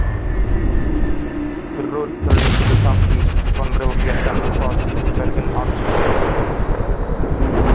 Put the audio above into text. The road turns to the southeast as the Conrail Viaduct crosses over Bergen Arches.